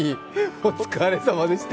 お疲れさまでした？